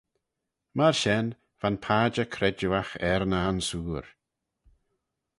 Myr shen, va'n padjer credjueagh er ny ansoor.